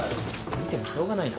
見てもしょうがないな。